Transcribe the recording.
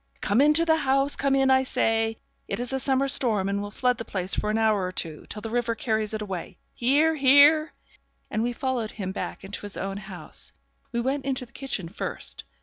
'Come into the house come in, I say. It is a summer storm, and will flood the place for an hour or two, till the river carries it away. Here, here.' And we followed him back into his own house. We went into the kitchen first.